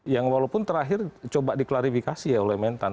yang walaupun terakhir coba diklarifikasi ya oleh mentan